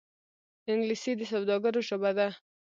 انګلیسي د سوداګرو ژبه ده